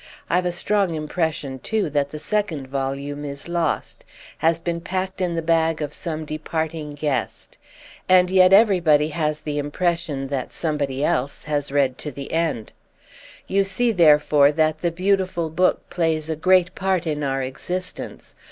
I've a strong impression, too, that the second volume is lost—has been packed in the bag of some departing guest; and yet everybody has the impression that somebody else has read to the end. You see therefore that the beautiful book plays a great part in our existence.